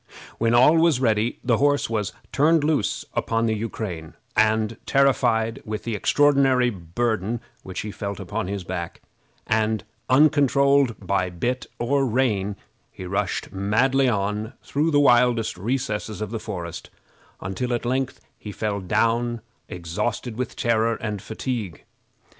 When all was ready the horse was turned loose upon the Ukrain, and, terrified with the extraordinary burden which he felt upon his back, and uncontrolled by bit or rein, he rushed madly on through the wildest recesses of the forest, until at length he fell down exhausted with terror and fatigue.